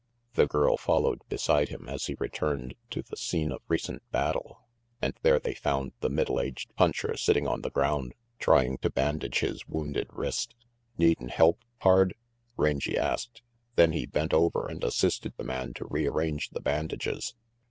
The girl followed beside him as he returned to the scene of recent battle, and there they found the middle aged puncher sitting on the ground trying to bandage his wounded wrist. "Needin' help, pard?" Rangy asked; then he bent over and assisted the man to rearrange the bandages.